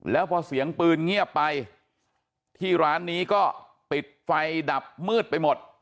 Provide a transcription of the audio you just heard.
แล้วพอเสียงปืนเงียบไปที่ร้านนี้ก็ปิดไฟดับมืดไปหมด